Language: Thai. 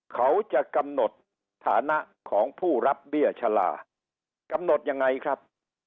เขาจะกำหนดฐานะของผู้รับเบี้ยชะลากำหนดยังไงครับ